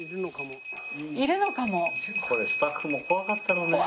これスタッフも怖かったろうね。